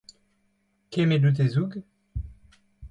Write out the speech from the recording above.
Kemmet out hezoug ?